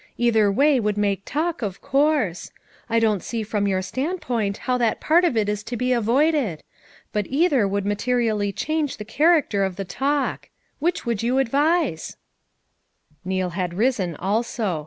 Either way would make talk, of course. I don't see from your standpoint how that part of it is to be avoided; FOUR MOTHERS AT CHAUTAUQUA 149 but either would materially change the char acter of the talk; which would you advise I" Neal had risen also.